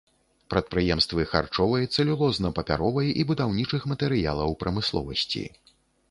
Прадпрыемствы харчовай, цэлюлозна-папяровай і будаўнічых матэрыялаў прамысловасці.